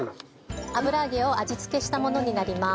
油揚げを味付けしたものになります。